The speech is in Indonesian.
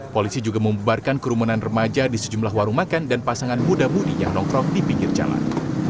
polisi juga membubarkan kerumunan remaja di sejumlah warung makan dan pasangan muda budi yang nongkrong di pinggir jalan